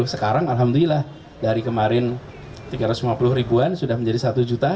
sekarang alhamdulillah dari kemarin tiga ratus lima puluh ribuan sudah menjadi satu juta